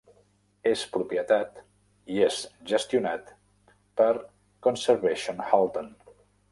És propietat i és gestionat per Conservation Halton.